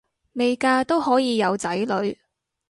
未嫁都可以有仔女